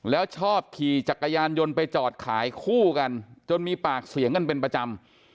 แล้วชอบขี่จักรยานยนต์ไปจอดขายคู่กันจนมีปากเสียงกันเป็นประจำ